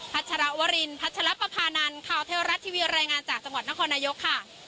ชรวรินพัชรปภานันข่าวเทวรัฐทีวีรายงานจากจังหวัดนครนายกค่ะ